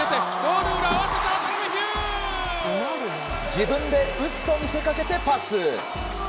自分で打つと見せかけて、パス。